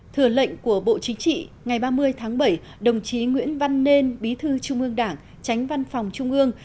thừa lệnh của bộ chính trị ngày ba mươi tháng bảy đồng chí nguyễn văn nên bí thư trung ương đảng tránh văn phòng trung ương